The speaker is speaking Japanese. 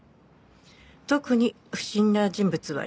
特に不審な人物はいない。